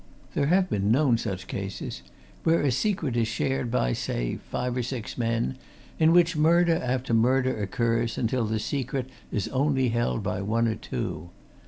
There have been known such cases where a secret is shared by say five or six men in which murder after murder occurs until the secret is only held by one or two.